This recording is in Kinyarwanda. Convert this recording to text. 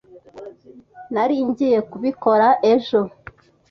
Nari ngiye kubikora ejo.